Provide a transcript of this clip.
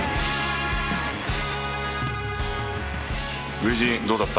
初陣どうだった？